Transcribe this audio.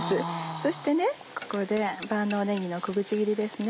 そしてここで万能ねぎの小口切りですね。